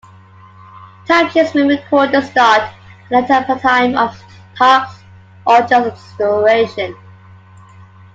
Timesheets may record the start and end time of tasks or just the duration.